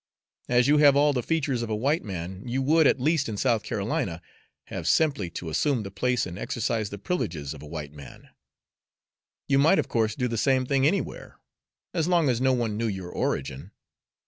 As you have all the features of a white man, you would, at least in South Carolina, have simply to assume the place and exercise the privileges of a white man. You might, of course, do the same thing anywhere, as long as no one knew your origin.